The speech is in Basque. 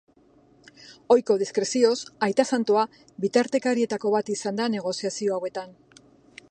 Ohiko diskrezioz, aita santua bitartekarietako bat izan da negoziazio hauetan.